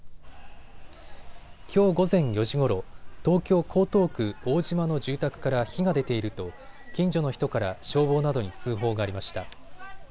きょう午前４時ごろ東京江東区大島の住宅から火が出ていると近所の人から消防などに通報がありました。